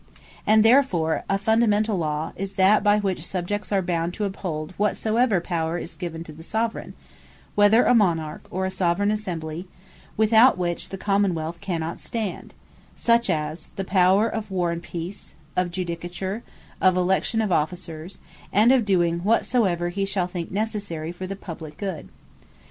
And therefore a Fundamentall Law is that, by which Subjects are bound to uphold whatsoever power is given to the Soveraign, whether a Monarch, or a Soveraign Assembly, without which the Common wealth cannot stand, such as is the power of War and Peace, of Judicature, of Election of Officers, and of doing whatsoever he shall think necessary for the Publique good.